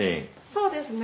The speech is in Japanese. そうですね。